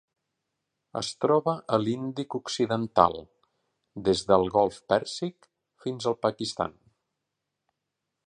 Es troba a l'Índic occidental: des del Golf Pèrsic fins al Pakistan.